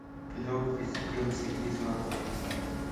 پیلوټ فزیکي او ذهني ځواک لري.